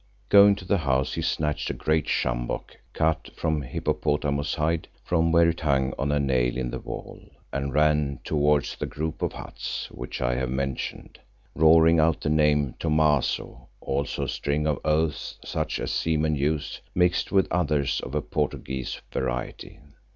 Going to the house he snatched a great sjambok cut from hippopotamus hide, from where it hung on a nail in the wall, and ran towards the group of huts which I have mentioned, roaring out the name Thomaso, also a string of oaths such as seamen use, mixed with others of a Portuguese variety.